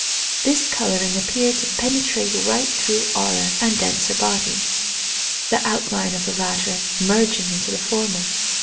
This colouring appeared to penetrate right through aura and denser body, the ':'\:tline of the latter merging into the former.